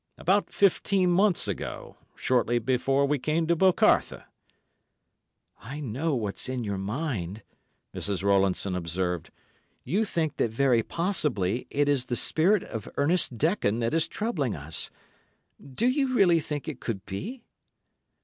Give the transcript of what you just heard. About fifteen months ago—shortly before we came to 'Bocarthe.'" "I know what's in your mind," Mrs. Rowlandson observed. "You think that very possibly it is the spirit of Ernest Dekon that is troubling us. Do you really think it could be?"